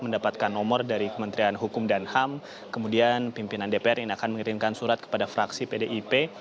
mendapatkan nomor dari kementerian hukum dan ham kemudian pimpinan dpr ini akan mengirimkan surat kepada fraksi pdip